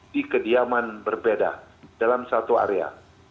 di kediaman berbeda dalam satu area